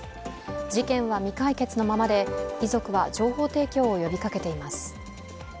事件は未解決のままで、遺族は情報提供を呼びかけています。